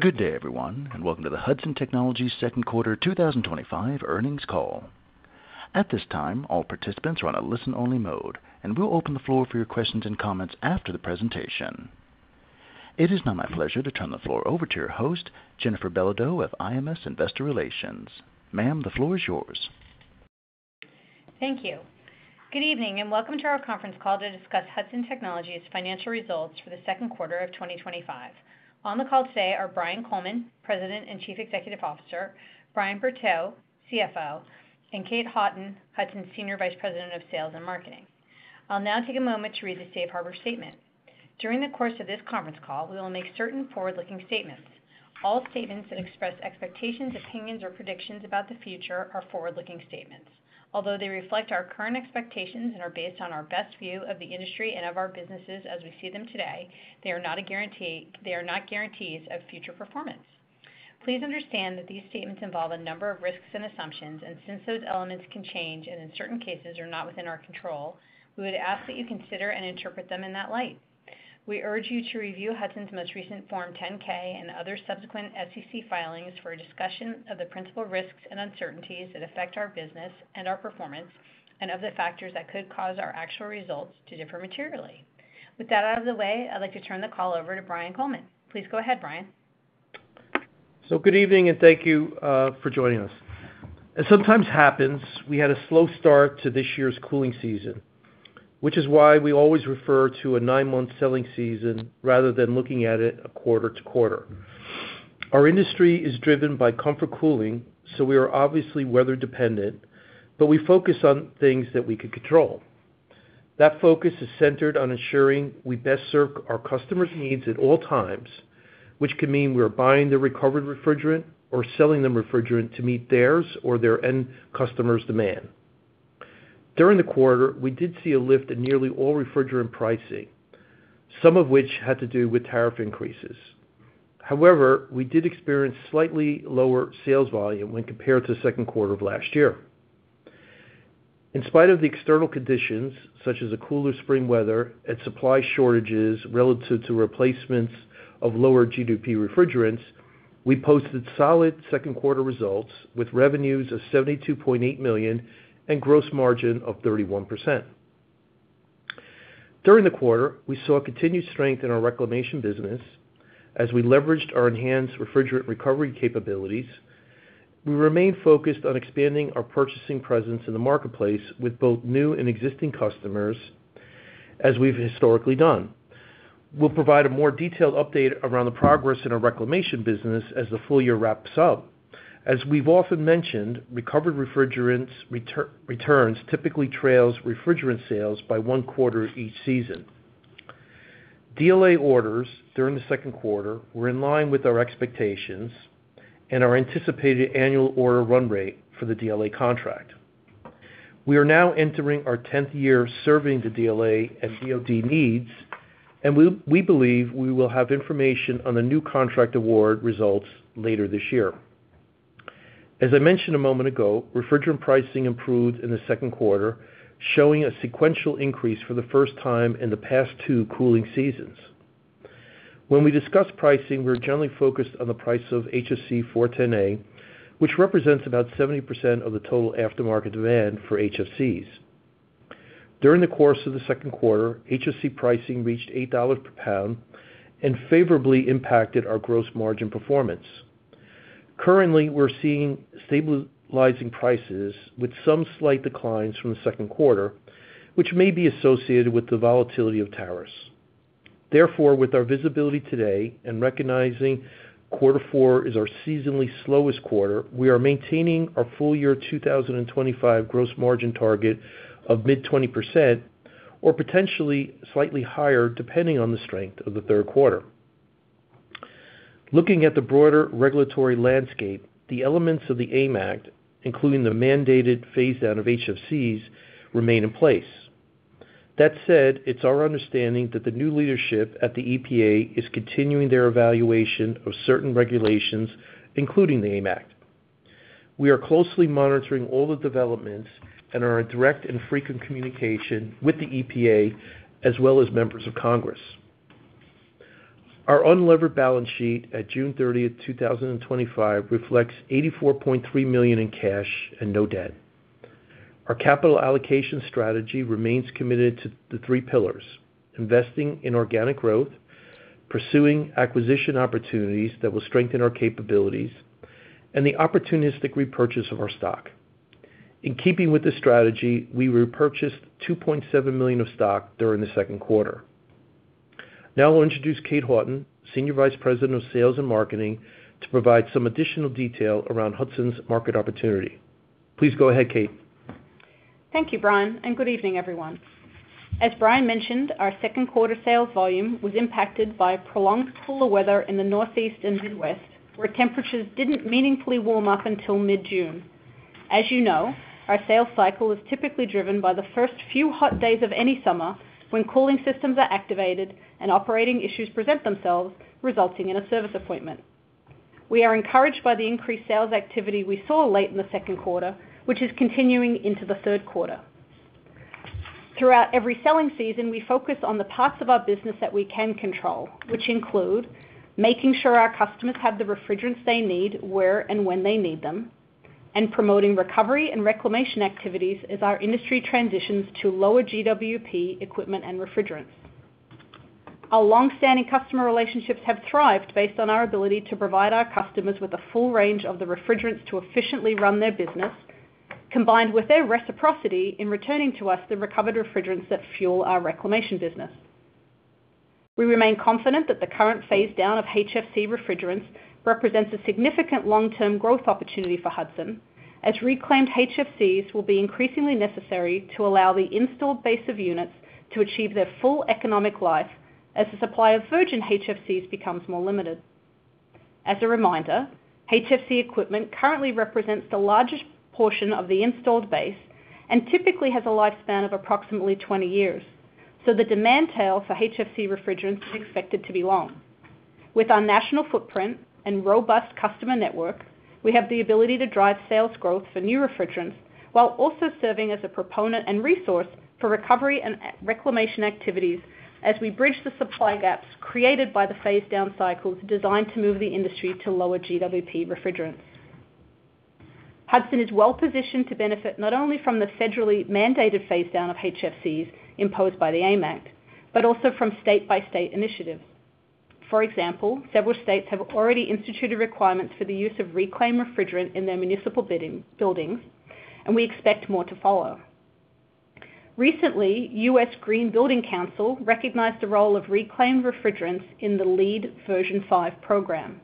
Good day, everyone, and welcome to the Hudson Technologies second quarter 2025 earnings call. At this time, all participants are on a listen-only mode, and we'll open the floor for your questions and comments after the presentation. It is now my pleasure to turn the floor over to your host, Jennifer Belodeau of IMS Investor Relations. Ma'am, the floor is yours. Thank you. Good evening and welcome to our conference call to discuss Hudson Technologies' financial results for the second quarter of 2025. On the call today are Brian Coleman, President and Chief Executive Officer; Brian Bertaux, CFO; and Kate Houghton, Hudson's Senior Vice President of Sales and Marketing. I'll now take a moment to read the Safe Harbor statement. During the course of this conference call, we will make certain forward-looking statements. All statements that express expectations, opinions, or predictions about the future are forward-looking statements. Although they reflect our current expectations and are based on our best view of the industry and of our businesses as we see them today, they are not guarantees of future performance. Please understand that these statements involve a number of risks and assumptions, and since those elements can change and in certain cases are not within our control, we would ask that you consider and interpret them in that light. We urge you to review Hudson's most recent Form 10-K and other subsequent SEC filings for a discussion of the principal risks and uncertainties that affect our business and our performance, and of the factors that could cause our actual results to differ materially. With that out of the way, I'd like to turn the call over to Brian Coleman. Please go ahead, Brian. Good evening and thank you for joining us. As sometimes happens, we had a slow start to this year's cooling season, which is why we always refer to a nine-month selling season rather than looking at it quarter to quarter. Our industry is driven by comfort cooling, so we are obviously weather-dependent, but we focus on things that we could control. That focus is centered on ensuring we best serve our customers' needs at all times, which can mean we are buying the recovered refrigerant or selling them refrigerant to meet theirs or their end customers' demand. During the quarter, we did see a lift in nearly all refrigerant pricing, some of which had to do with tariff increases. However, we did experience slightly lower sales volume when compared to the second quarter of last year. In spite of the external conditions, such as cooler spring weather and supply shortages relative to replacements of lower GWP refrigerants, we posted solid second-quarter results with revenues of $72.8 million and a gross margin of 31%. During the quarter, we saw continued strength in our reclamation business as we leveraged our enhanced refrigerant recovery capabilities. We remain focused on expanding our purchasing presence in the marketplace with both new and existing customers, as we've historically done. We'll provide a more detailed update around the progress in our reclamation business as the full year wraps up. As we've often mentioned, recovered refrigerant returns typically trail refrigerant sales by one quarter each season. DLA orders during the second quarter were in line with our expectations and our anticipated annual order run rate for the DLA contract. We are now entering our 10th year serving the DLA and DOD needs, and we believe we will have information on the new contract award results later this year. As I mentioned a moment ago, refrigerant pricing improved in the second quarter, showing a sequential increase for the first time in the past two cooling seasons. When we discuss pricing, we're generally focused on the price of HFC-410A, which represents about 70% of the total aftermarket demand for HFCs. During the course of the second quarter, HFC pricing reached $8 per pound and favorably impacted our gross margin performance. Currently, we're seeing stabilizing prices with some slight declines from the second quarter, which may be associated with the volatility of tariffs. Therefore, with our visibility today and recognizing quarter four is our seasonally slowest quarter, we are maintaining our full-year 2025 gross margin target of mid-20% or potentially slightly higher, depending on the strength of the third quarter. Looking at the broader regulatory landscape, the elements of the AIM Act, including the mandated phase-down of HFCs, remain in place. That said, it's our understanding that the new leadership at the EPA is continuing their evaluation of certain regulations, including the AIM Act. We are closely monitoring all the developments and are in direct and frequent communication with the EPA as well as members of Congress. Our unlevered balance sheet at June 30th, 2025, reflects $84.3 million in cash and no debt. Our capital allocation strategy remains committed to the three pillars: investing in organic growth, pursuing acquisition opportunities that will strengthen our capabilities, and the opportunistic repurchase of our stock. In keeping with the strategy, we repurchased $2.7 million of stock during the second quarter. Now I'll introduce Kate Houghton, Senior Vice President of Sales and Marketing, to provide some additional detail around Hudson's market opportunity. Please go ahead, Kate. Thank you, Brian, and good evening, everyone. As Brian mentioned, our second quarter sales volume was impacted by prolonged cooler weather in the Northeast and Midwest, where temperatures didn't meaningfully warm up until mid-June. As you know, our sales cycle is typically driven by the first few hot days of any summer when cooling systems are activated and operating issues present themselves, resulting in a service appointment. We are encouraged by the increased sales activity we saw late in the second quarter, which is continuing into the third quarter. Throughout every selling season, we focused on the parts of our business that we can control, which include making sure our customers have the refrigerants they need where and when they need them, and promoting recovery and reclamation activities as our industry transitions to lower GWP equipment and refrigerants. Our longstanding customer relationships have thrived based on our ability to provide our customers with a full range of the refrigerants to efficiently run their business, combined with their reciprocity in returning to us the recovered refrigerants that fuel our reclamation business. We remain confident that the current phase-down of HFC refrigerants represents a significant long-term growth opportunity for Hudson, as reclaimed HFCs will be increasingly necessary to allow the installed base of units to achieve their full economic life as the supply of virgin HFCs becomes more limited. As a reminder, HFC equipment currently represents the largest portion of the installed base and typically has a lifespan of approximately 20 years, so the demand tail for HFC refrigerants is expected to be long. With our national footprint and robust customer network, we have the ability to drive sales growth for new refrigerants while also serving as a proponent and resource for recovery and reclamation activities as we bridge the supply gaps created by the phase-down cycles designed to move the industry to lower GWP refrigerants. Hudson is well-positioned to benefit not only from the federally mandated phase-down of HFCs imposed by the AIM Act, but also from state-by-state initiatives. For example, several states have already instituted requirements for the use of reclaimed refrigerant in their municipal buildings, and we expect more to follow. Recently, the US Green Building Council recognized the role of reclaimed refrigerants in the LEED v5 program.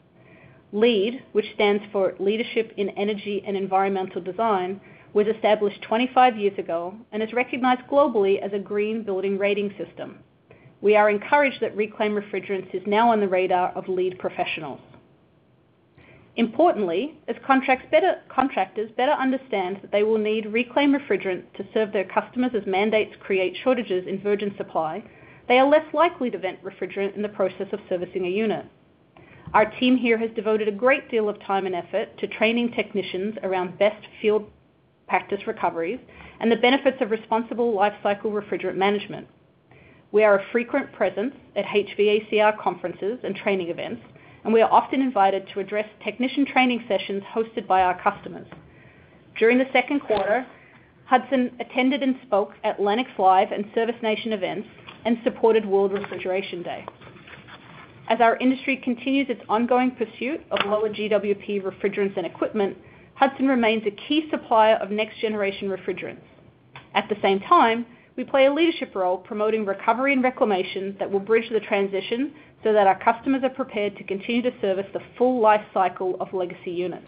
LEED, which stands for Leadership in Energy and Environmental Design, was established 25 years ago and is recognized globally as a green building rating system. We are encouraged that reclaimed refrigerants are now on the radar of LEED professionals. Importantly, as contractors better understand that they will need reclaimed refrigerant to serve their customers as mandates create shortages in virgin supply, they are less likely to vent refrigerant in the process of servicing a unit. Our team here has devoted a great deal of time and effort to training technicians around best field practice recoveries and the benefits of responsible lifecycle refrigerant management. We are a frequent presence at HVAC-R conferences and training events, and we are often invited to address technician training sessions hosted by our customers. During the second quarter, Hudson attended and spoke at Atlantic's Live and Service Nation event and supported World Refrigeration Day. As our industry continues its ongoing pursuit of lower GWP refrigerants and equipment, Hudson remains a key supplier of next-generation refrigerants. At the same time, we play a leadership role promoting recovery and reclamation that will bridge the transition so that our customers are prepared to continue to service the full lifecycle of legacy units.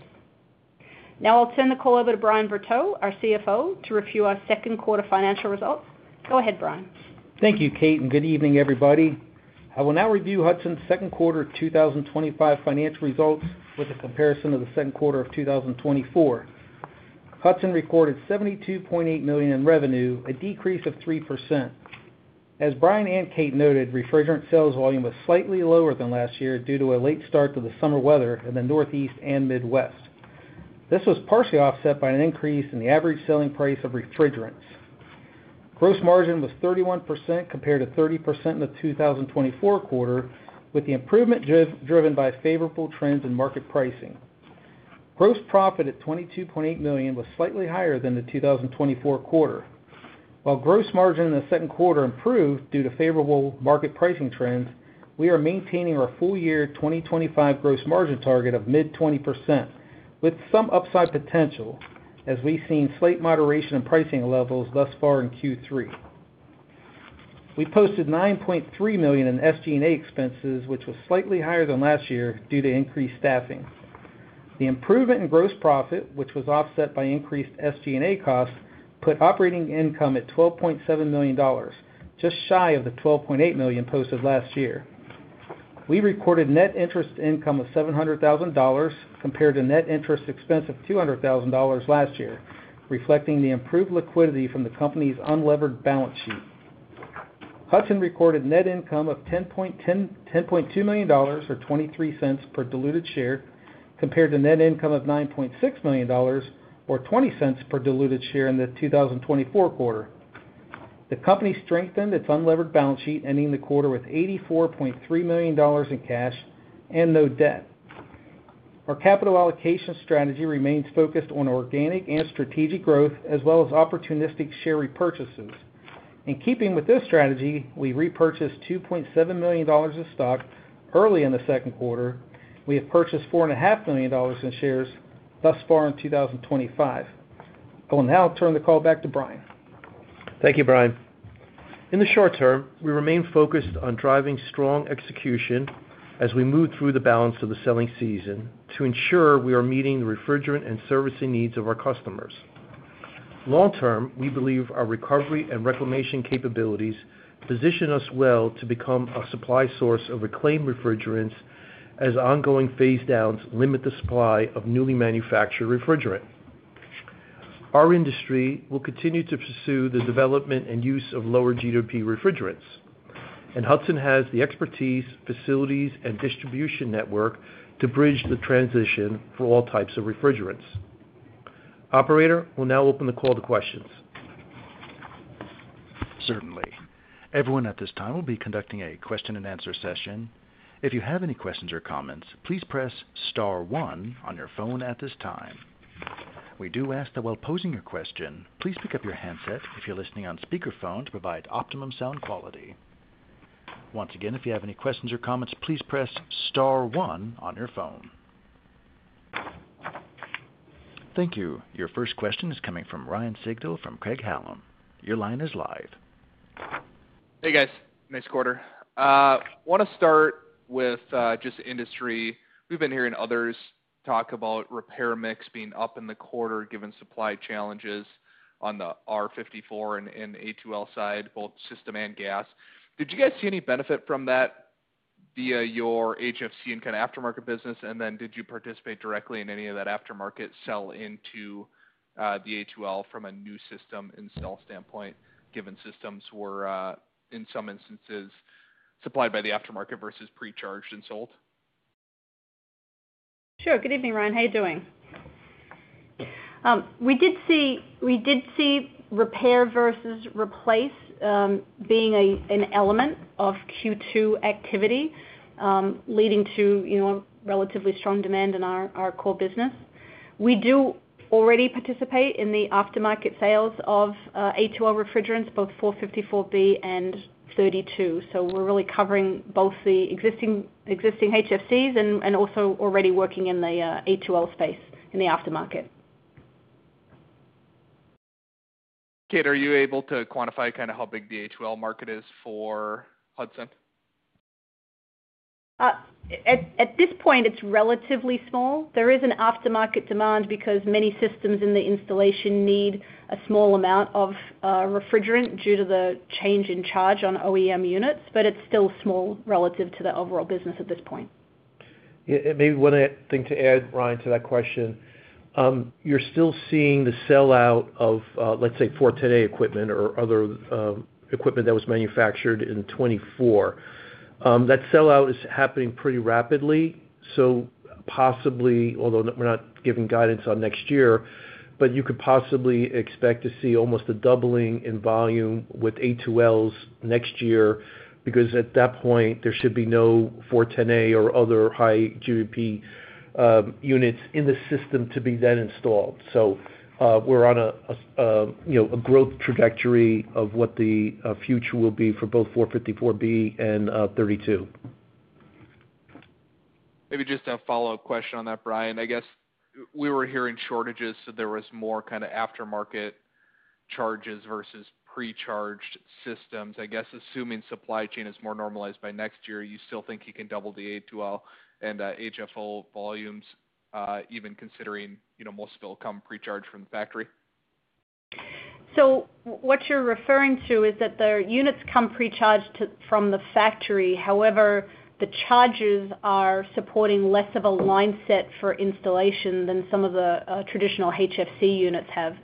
Now I'll turn the call over to Brian Bertaux, our CFO, to review our second quarter financial results. Go ahead, Brian. Thank you, Kate, and good evening, everybody. I will now review Hudson's second quarter 2025 financial results with a comparison of the second quarter of 2024. Hudson recorded $72.8 million in revenue, a decrease of 3%. As Brian and Kate noted, refrigerant sales volume was slightly lower than last year due to a late start to the summer weather in the Northeast and Midwest. This was partially offset by an increase in the average selling price of refrigerants. Gross margin was 31% compared to 30% in the 2024 quarter, with the improvement driven by favorable trends in market pricing. Gross profit at $22.8 million was slightly higher than the 2024 quarter. While gross margin in the second quarter improved due to favorable market pricing trends, we are maintaining our full-year 2025 gross margin target of mid-20%, with some upside potential, as we've seen slight moderation in pricing levels thus far in Q3. We posted $9.3 million in SG&A expenses, which was slightly higher than last year due to increased staffing. The improvement in gross profit, which was offset by increased SG&A costs, put operating income at $12.7 million, just shy of the $12.8 million posted last year. We recorded net interest income of $700,000 compared to net interest expense of $200,000 last year, reflecting the improved liquidity from the company's unlevered balance sheet. Hudson recorded net income of $10.2 million, or $0.23 per diluted share, compared to net income of $9.6 million, or $0.20 per diluted share in the 2024 quarter. The company strengthened its unlevered balance sheet, ending the quarter with $84.3 million in cash and no debt. Our capital allocation strategy remains focused on organic and strategic growth, as well as opportunistic share repurchases. In keeping with this strategy, we repurchased $2.7 million in stock early in the second quarter. We have purchased $4.5 million in shares thus far in 2025. I will now turn the call back to Brian. Thank you, Brian. In the short term, we remain focused on driving strong execution as we move through the balance of the selling season to ensure we are meeting the refrigerant and servicing needs of our customers. Long term, we believe our recovery and reclamation capabilities position us well to become a supply source of reclaimed refrigerants as ongoing phase-downs limit the supply of newly manufactured refrigerant. Our industry will continue to pursue the development and use of lower GWP refrigerants, and Hudson has the expertise, facilities, and distribution network to bridge the transition for all types of refrigerants. Operator, we'll now open the call to questions. Certainly. Everyone at this time will be conducting a question and answer session. If you have any questions or comments, please press star one on your phone at this time. We do ask that while posing your question, please pick up your headset if you're listening on speakerphone to provide optimum sound quality. Once again, if you have any questions or comments, please press star one on your phone. Thank you. Your first question is coming from Ryan Sigdahl from Craig-Hallum. Your line is live. Hey guys, nice quarter. I want to start with just industry. We've been hearing others talk about repair mix being up in the quarter given supply challenges on the R-54 and A2L side, both system and gas. Did you guys see any benefit from that via your HFC and kind of aftermarket business? Did you participate directly in any of that aftermarket sell into the A2L from a new system install standpoint, given systems were in some instances supplied by the aftermarket versus pre-charged and sold? Sure. Good evening, Ryan. How are you doing? We did see repair versus replace being an element of Q2 activity, leading to a relatively strong demand in our core business. We do already participate in the aftermarket sales of A2L refrigerants, both R-454B and R-32. We are really covering both the existing HFCs and also already working in the A2L space in the aftermarket. Kate, are you able to quantify kind of how big the A2L market is for Hudson? At this point, it's relatively small. There is an aftermarket demand because many systems in the installation need a small amount of refrigerant due to the change in charge on OEM units, but it's still small relative to the overall business at this point. Yeah, maybe one thing to add, Ryan, to that question, you're still seeing the sell-out of, let's say, HFC-410A equipment or other equipment that was manufactured in 2024. That sell-out is happening pretty rapidly. Possibly, although we're not giving guidance on next year, you could possibly expect to see almost a doubling in volume with A2L refrigerants next year because at that point there should be no HFC-410A or other high GWP units in the system to be then installed. We're on a growth trajectory of what the future will be for both R-454B and R-32. Maybe just a follow-up question on that, Brian. I guess we were hearing shortages, so there was more kind of aftermarket charges versus pre-charged systems. I guess assuming supply chain is more normalized by next year, you still think you can double the A2L and HFO volumes, even considering most still come pre-charged from the factory? What you're referring to is that the units come pre-charged from the factory. However, the charges are supporting less of a line set for installation than some of the traditional HFC units have.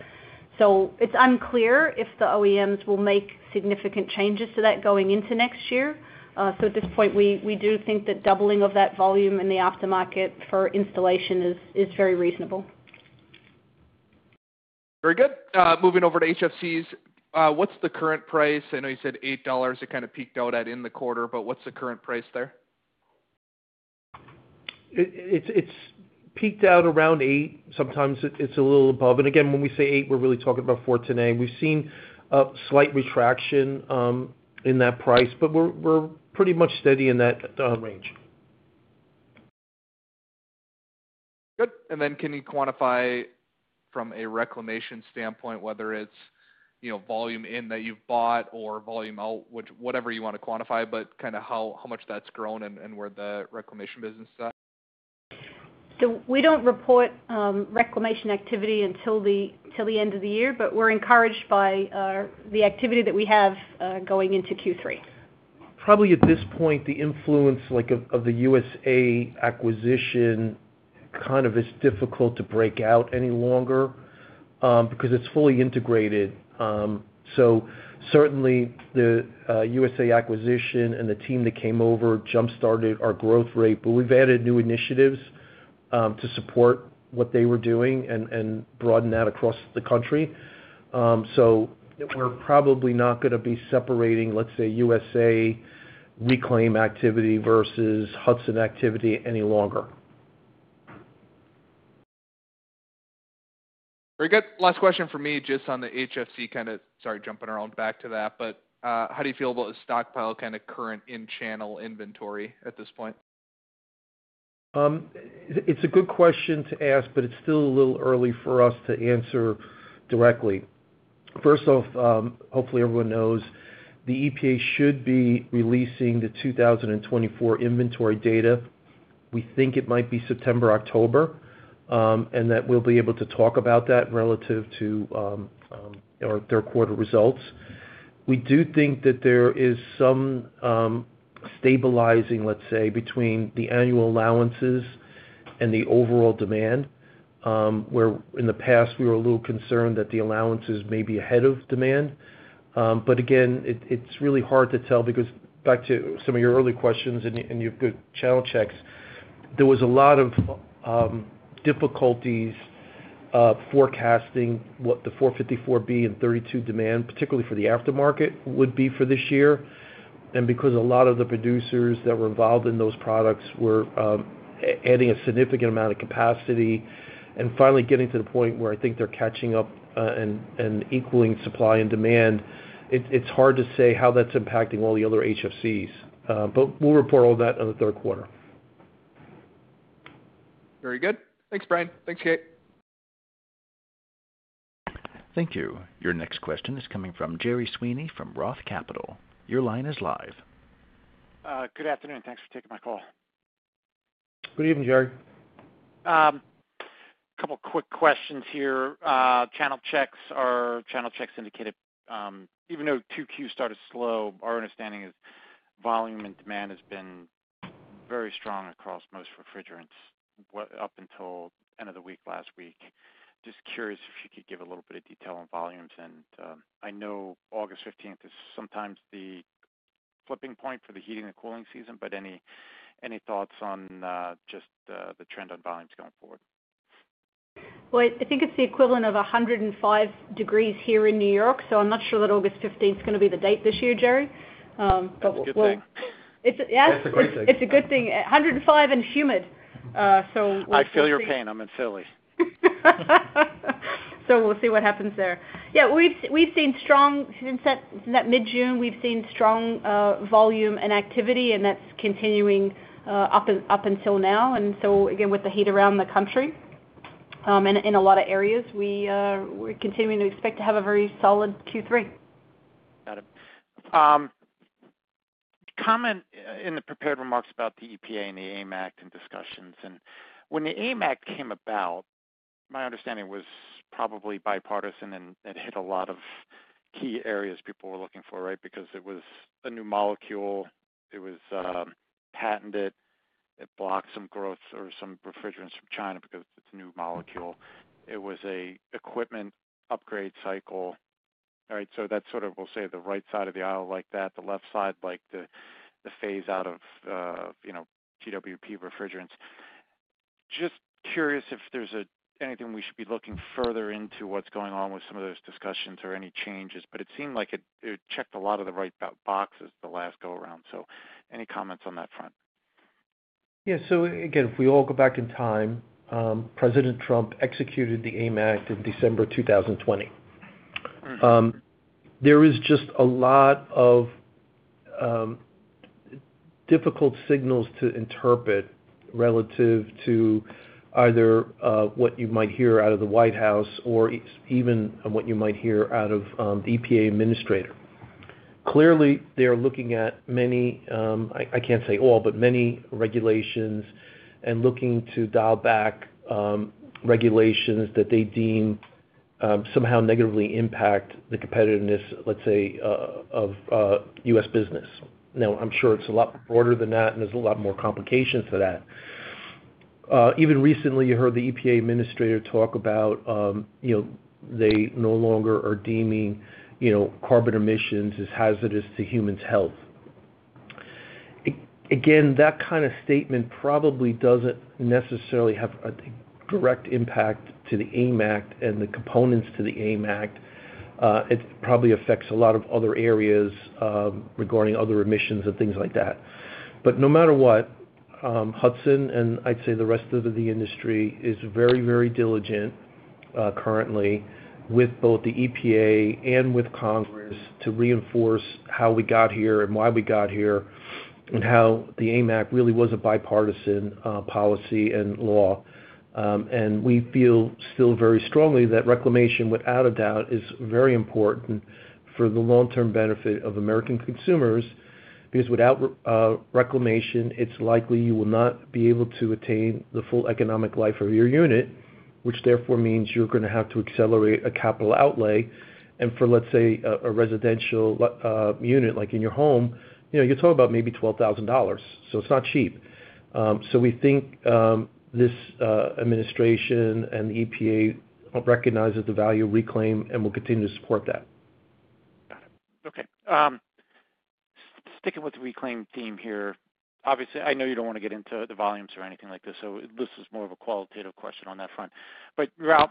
It's unclear if the OEMs will make significant changes to that going into next year. At this point, we do think that doubling of that volume in the aftermarket for installation is very reasonable. Very good. Moving over to HFCs, what's the current price? I know you said $8 it kind of peaked out at in the quarter, but what's the current price there? It's peaked out around $8. Sometimes it's a little above. When we say $8, we're really talking about HFC-410A. We've seen a slight retraction in that price, but we're pretty much steady in that range. Good. Can you quantify from a reclamation standpoint whether it's volume in that you've bought or volume out, whichever you want to quantify, but kind of how much that's grown and where the reclamation business is at? We don't report reclamation activity until the end of the year, but we're encouraged by the activity that we have going into Q3. At this point, the influence of the USA acquisition is kind of difficult to break out any longer because it's fully integrated. Certainly, the USA acquisition and the team that came over jump-started our growth rate, but we've added new initiatives to support what they were doing and broaden that across the country. We're probably not going to be separating, let's say, USA reclaim activity versus Hudson activity any longer. Very good. Last question for me, just on the HFC, kind of jumping around back to that, but how do you feel about the stockpile, kind of current in-channel inventory at this point? It's a good question to ask, but it's still a little early for us to answer directly. First off, hopefully everyone knows the EPA should be releasing the 2024 inventory data. We think it might be September, October, and that we'll be able to talk about that relative to their quarter results. We do think that there is some stabilizing, let's say, between the annual allowances and the overall demand, where in the past we were a little concerned that the allowances may be ahead of demand. Again, it's really hard to tell because back to some of your early questions and your good channel checks, there was a lot of difficulties forecasting what the R-454B and R-32 demand, particularly for the aftermarket, would be for this year. Because a lot of the producers that were involved in those products were adding a significant amount of capacity and finally getting to the point where I think they're catching up and equaling supply and demand, it's hard to say how that's impacting all the other HFCs. We'll report all that in the third quarter. Very good. Thanks, Brian. Thanks, Kate. Thank you. Your next question is coming from Gerry Sweeney from ROTH Capital. Your line is live. Good afternoon. Thanks for taking my call. Good evening, Jerry. A couple of quick questions here. Channel checks, our channel checks indicated even though Q2 started slow, our understanding is volume and demand has been very strong across most refrigerants up until the end of the week last week. Just curious if you could give a little bit of detail on volumes. I know August 15th is sometimes the flipping point for the heating and cooling season, but any thoughts on just the trend on volumes going forward? I think it's the equivalent of 105 degrees Fahrenheit here in New York, so I'm not sure that August 15th is going to be the date this year, Jerry. That's a good thing. It's a good thing. 105 degrees Fahrenheit and humid. I feel your pain. I'm in Philly. We have seen strong volume and activity since mid-June, and that's continuing up until now. With the heat around the country and in a lot of areas, we're continuing to expect to have a very solid Q3. Got it. Comment in the prepared remarks about the EPA and the AIM Act and discussions. When the AIM Act came about, my understanding was probably bipartisan and it hit a lot of key areas people were looking for, right? Because it was a new molecule. It was patented. It blocked some growth or some refrigerants from China because it's a new molecule. It was an equipment upgrade cycle. That's sort of, we'll say, the right side of the aisle liked that, the left side liked the phase out of, you know, GWP refrigerants. Just curious if there's anything we should be looking further into what's going on with some of those discussions or any changes. It seemed like it checked a lot of the right boxes the last go around. Any comments on that front? Yeah. If we all go back in time, President Trump executed the AIM Act in December 2020. There are just a lot of difficult signals to interpret relative to either what you might hear out of the White House or even what you might hear out of the EPA administrator. Clearly, they are looking at many, I can't say all, but many regulations and looking to dial back regulations that they deem somehow negatively impact the competitiveness of U.S. business. I'm sure it's a lot broader than that and there's a lot more complications to that. Even recently, you heard the EPA administrator talk about how they no longer are deeming carbon emissions as hazardous to humans' health. That kind of statement probably doesn't necessarily have a direct impact to the AIM Act and the components to the AIM Act. It probably affects a lot of other areas regarding other emissions and things like that. No matter what, Hudson and the rest of the industry are very, very diligent currently with both the EPA and with Congress to reinforce how we got here and why we got here and how the AIM Act really was a bipartisan policy and law. We feel still very strongly that reclamation, without a doubt, is very important for the long-term benefit of American consumers because without reclamation, it's likely you will not be able to attain the full economic life of your unit, which therefore means you're going to have to accelerate a capital outlay. For a residential unit like in your home, you're talking about maybe $12,000. It's not cheap. We think this administration and the EPA recognize the value of reclaim and will continue to support that. Got it. Okay. Sticking with the reclaim theme here, obviously, I know you don't want to get into the volumes or anything like this, so this is more of a qualitative question on that front. You're out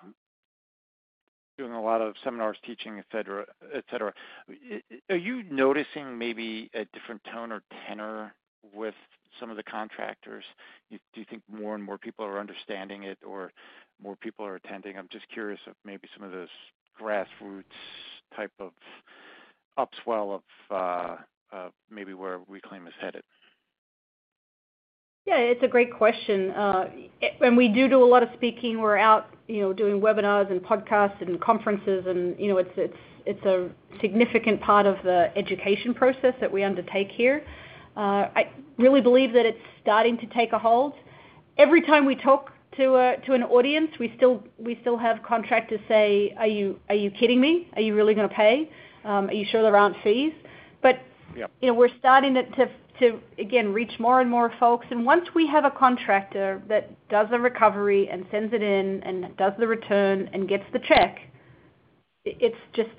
doing a lot of seminars, teaching, etc., etc. Are you noticing maybe a different tone or tenor with some of the contractors? Do you think more and more people are understanding it or more people are attending? I'm just curious if maybe some of those grassroots type of upswell of maybe where reclaim is headed. Yeah, it's a great question. We do a lot of speaking. We're out doing webinars, podcasts, and conferences, and it's a significant part of the education process that we undertake here. I really believe that it's starting to take a hold. Every time we talk to an audience, we still have contractors say, "Are you kidding me? Are you really going to pay? Are you sure there aren't fees?" We're starting to reach more and more folks. Once we have a contractor that does a recovery and sends it in and does the return and gets the check, it's just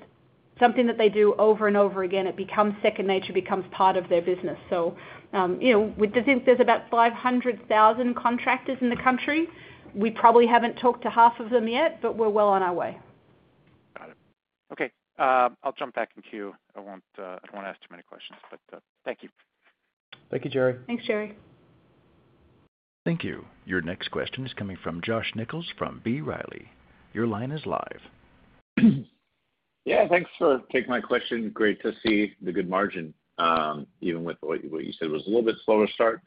something that they do over and over again. It becomes second nature, becomes part of their business. We think there's about 500,000 contractors in the country. We probably haven't talked to half of them yet, but we're well on our way. Got it. Okay, I'll jump back in queue. I don't want to ask too many questions, but thank you. Thank you, Gerry. Thanks, Gerry. Thank you. Your next question is coming from Josh Nichols from B. Riley. Your line is live. Yeah, thanks for taking my question. Great to see the good margin. Even with what you said was a little bit slower start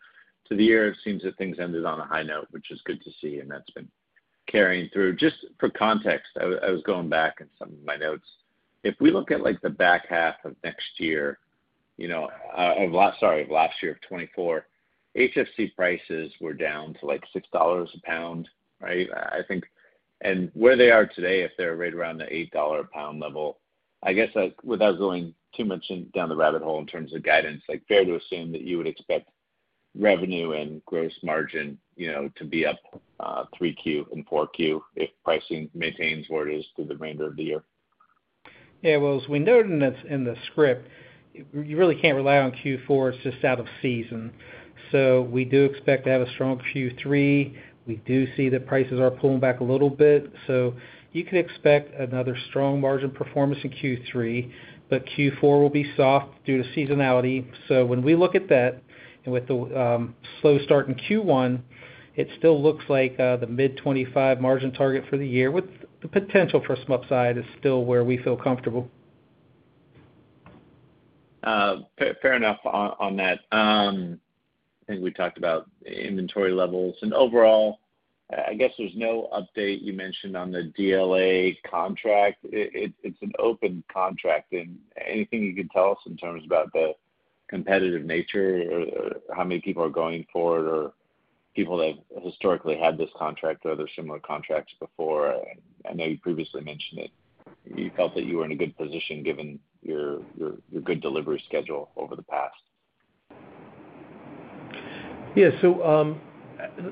to the year, it seems that things ended on a high note, which is good to see, and that's been carrying through. Just for context, I was going back at some of my notes. If we look at the back half of last year, of 2024, HFC prices were down to like $6 a pound, right? I think. Where they are today, if they're right around the $8 a pound level, I guess without going too much down the rabbit hole in terms of guidance, is it fair to assume that you would expect revenue and gross margin to be up in 3Q and 4Q if pricing maintains where it is through the remainder of the year. As we noted in the script, you really can't rely on Q4. It's just out of season. We do expect to have a strong Q3. We do see that prices are pulling back a little bit, so you could expect another strong margin performance in Q3. Q4 will be soft due to seasonality. When we look at that and with the slow start in Q1, it still looks like the mid-25% margin target for the year with the potential for some upside is still where we feel comfortable. Fair enough on that. I think we talked about inventory levels. Overall, I guess there's no update you mentioned on the DLA contract. It's an open contracting. Anything you could tell us in terms of the competitive nature or how many people are going for it or people that have historically had this contract or other similar contracts before? I know you previously mentioned that you felt that you were in a good position given your good delivery schedule over the past. Yeah, so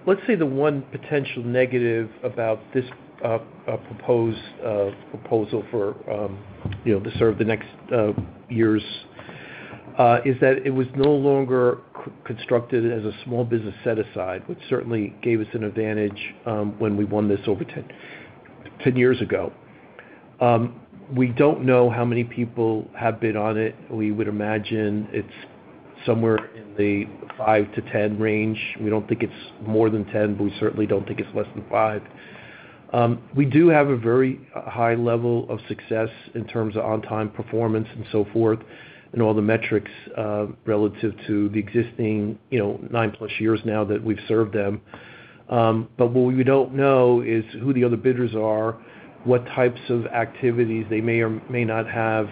let's say the one potential negative about this proposal for, you know, the sort of the next years is that it was no longer constructed as a small business set aside, which certainly gave us an advantage when we won this over 10 years ago. We don't know how many people have been on it. We would imagine it's somewhere in the 5-10 range. We don't think it's more than 10, but we certainly don't think it's less than 5. We do have a very high level of success in terms of on-time performance and so forth and all the metrics relative to the existing, you know, nine-plus years now that we've served them. What we don't know is who the other bidders are, what types of activities they may or may not have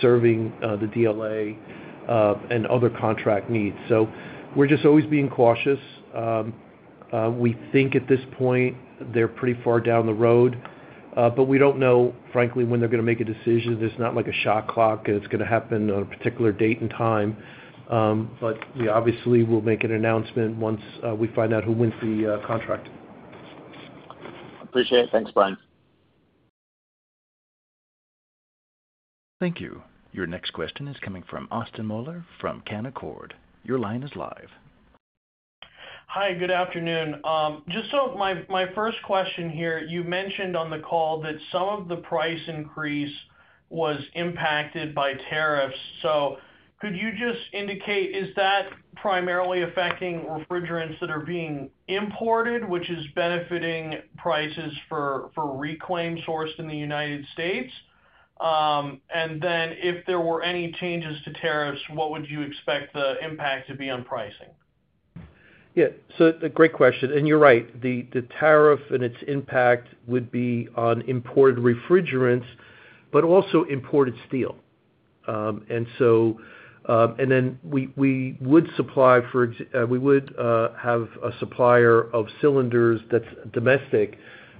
serving the DLA and other contract needs. We're just always being cautious. We think at this point they're pretty far down the road, but we don't know, frankly, when they're going to make a decision. It's not like a shot clock and it's going to happen on a particular date and time. Obviously, we'll make an announcement once we find out who wins the contract. Appreciate it. Thanks, Brian. Thank you. Your next question is coming from Austin Moeller from Canaccord. Your line is live. Hi, good afternoon. My first question here, you mentioned on the call that some of the price increase was impacted by tariffs. Could you just indicate, is that primarily affecting refrigerants that are being imported, which is benefiting prices for reclaim sourced in the United States? If there were any changes to tariffs, what would you expect the impact to be on pricing? Yeah, a great question. You're right. The tariff and its impact would be on imported refrigerants, but also imported steel. We would supply, for example, we would have a supplier of cylinders that's domestic,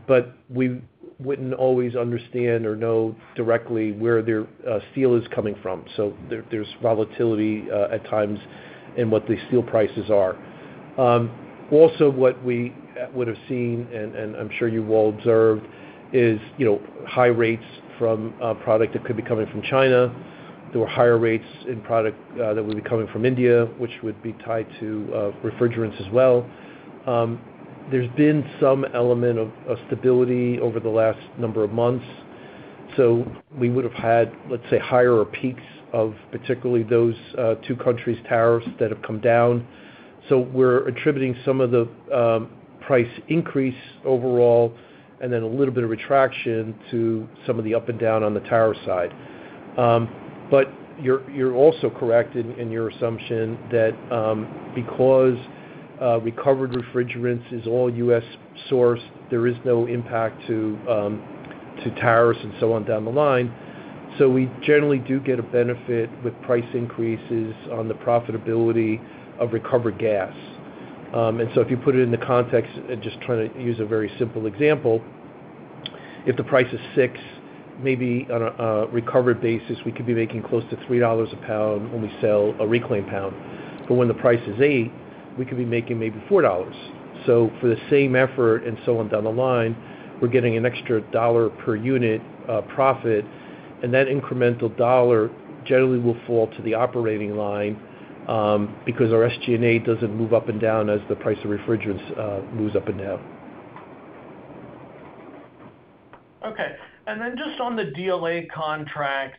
but we wouldn't always understand or know directly where their steel is coming from. There's volatility at times in what the steel prices are. Also, what we would have seen, and I'm sure you've all observed, is high rates from a product that could be coming from China. There were higher rates in product that would be coming from India, which would be tied to refrigerants as well. There's been some element of stability over the last number of months. We would have had, let's say, higher peaks of particularly those two countries' tariffs that have come down. We're attributing some of the price increase overall and then a little bit of retraction to some of the up and down on the tariff side. You're also correct in your assumption that because recovered refrigerants are all U.S. sourced, there is no impact to tariffs and so on down the line. We generally do get a benefit with price increases on the profitability of recovered gas. If you put it in the context and just trying to use a very simple example, if the price is $6, maybe on a recovered basis, we could be making close to $3 a pound when we sell a reclaimed pound. When the price is $8, we could be making maybe $4. For the same effort and so on down the line, we're getting an extra dollar per unit profit. That incremental dollar generally will fall to the operating line because our SG&A doesn't move up and down as the price of refrigerants moves up and down. Okay. On the DLA contract,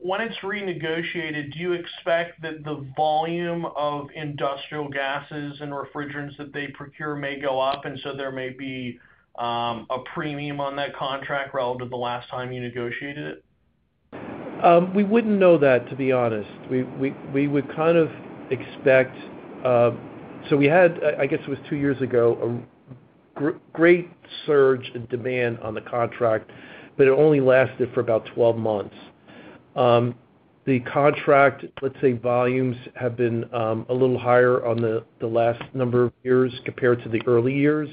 when it's renegotiated, do you expect that the volume of industrial gases and refrigerants that they procure may go up? There may be a premium on that contract relative to the last time you negotiated it? We wouldn't know that, to be honest. We would kind of expect, so we had, I guess it was two years ago, a great surge in demand on the contract, but it only lasted for about 12 months. The contract volumes have been a little higher in the last number of years compared to the early years.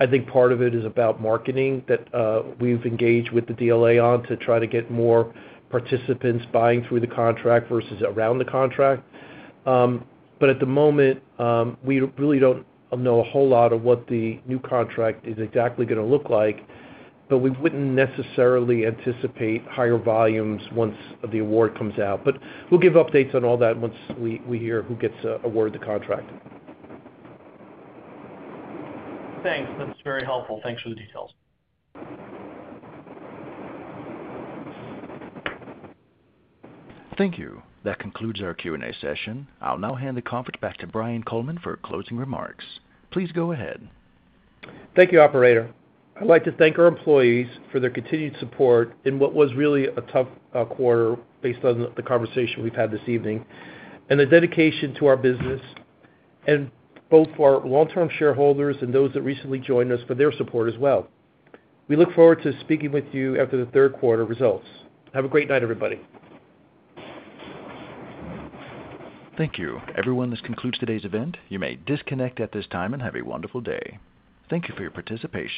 I think part of it is about marketing that we've engaged with the DLA to try to get more participants buying through the contract versus around the contract. At the moment, we really don't know a whole lot of what the new contract is exactly going to look like. We wouldn't necessarily anticipate higher volumes once the award comes out. We'll give updates on all that once we hear who gets awarded the contract. Thanks. That's very helpful. Thanks for the details. Thank you. That concludes our Q&A session. I'll now hand the conference back to Brian Coleman for closing remarks. Please go ahead. Thank you, operator. I'd like to thank our employees for their continued support in what was really a tough quarter based on the conversation we've had this evening and the dedication to our business and both for our long-term shareholders and those that recently joined us for their support as well. We look forward to speaking with you after the third quarter results. Have a great night, everybody. Thank you. Everyone, this concludes today's event. You may disconnect at this time and have a wonderful day. Thank you for your participation.